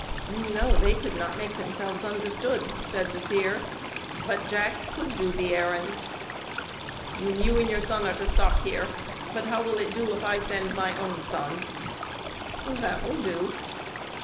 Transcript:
"No, they could not make themselves understood," said the Seer, "but Jack could do the errand." "You and your son are to stop here. But how will it do if I send my own son?" "That will do."